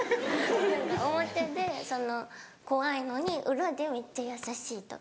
何か表で怖いのに裏でめっちゃ優しいとか。